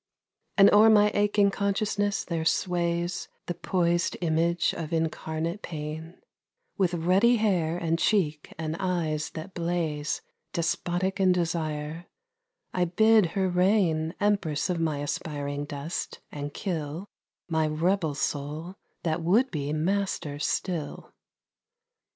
And o'er my aching consciousness there sways The poised image of incarnate pain, With ruddy hair and cheek and eyes that blaze Despotic in desire, I bid her reign Empress of my aspiring dust, and kill My rebel soul that would be master still.